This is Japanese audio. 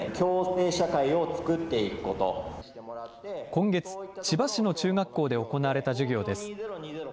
今月、千葉市の中学校で行われた授業です。